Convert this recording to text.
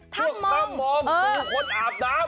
ทำมองสู้คนอาบน้ำ